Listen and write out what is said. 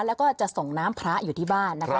แล้วก็จะส่งน้ำพระอยู่ที่บ้านนะคะ